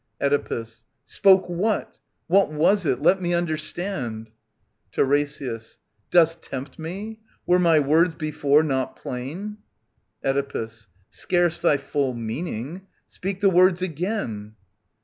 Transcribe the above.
Oedipus. Spoke what ? What was it ? Let me understand. TiRESIAS. , W^ Dost tempt me ? Were my words before not plain ! <iX«^^ Oedipus. Scarce thy full meaning. Speak the words again.